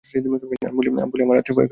আমি বলি আমার রাত্রে ভয় করে, দেশলাইটা দাও।